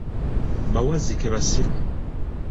Bawazzike basiru.